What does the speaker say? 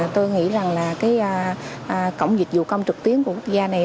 tôi nghĩ rằng là cái cổng dịch vụ công trực tuyến của quốc gia này